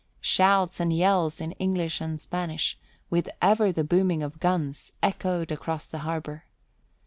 Shouts and yells in English and Spanish, with ever the booming of guns, echoed across the harbour.